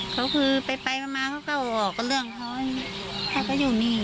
เขาคือไปมาเขาก็ออกเรื่องเขาให้เขาอยู่นี่